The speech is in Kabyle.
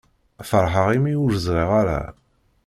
Feṛḥeɣ imi ur ẓṛiɣ ara.